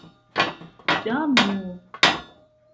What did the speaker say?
Damnu!